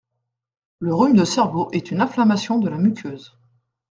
Le rhume de cerveau est une inflammation de la muqueuse…